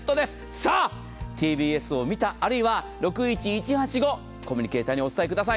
さあ、ＴＢＳを見た、あるいは６１１８５コミュニケーターにお伝えください。